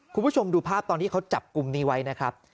คุณผู้ชมดูภาพตอนที่เขาจับกลุ่มนี้ไว้นะครับ